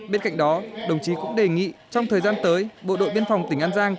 bên cạnh đó đồng chí cũng đề nghị trong thời gian tới bộ đội biên phòng tỉnh an giang